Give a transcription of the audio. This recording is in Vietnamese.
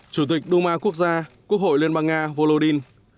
chủ tịch đu ma quốc gia quốc hội liên bang nga volodyn